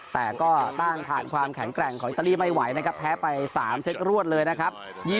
แต่ก็ต้านผ่านความแข็งแกร่งของอิตาลีไม่ไหวนะครับแพ้ไป๓เซตรวดเลยนะครับ